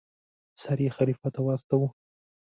سر یې خلیفه ته واستاوه.